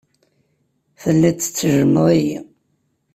Telliḍ tettejjmeḍ-iyi.